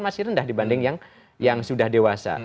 masih rendah dibanding yang sudah dewasa